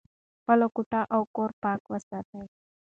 خپله کوټه او کور پاک وساتئ.